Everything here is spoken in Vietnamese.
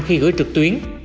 khi gửi trực tuyến